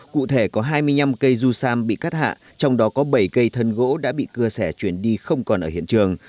cụ thể có hai mươi năm cây du sam bị cắt hạ trong đó có bảy cây thân gỗ đã bị cưa xẻ chuyển đi không còn ở hiện trường